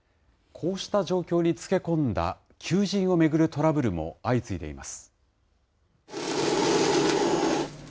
こうした状況につけこんだ求人を巡るトラブルも相次いでいます。